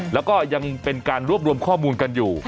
แล้วก็ยังเป็นการรวบรวมข้อมูลกันอยู่